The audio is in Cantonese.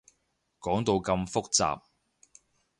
講到咁複雜